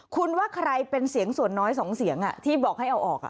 คุณว่าใครเป็นเสียงส่วนน้อย๒เสียงที่บอกให้เอาออก